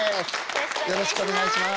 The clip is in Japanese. よろしくお願いします。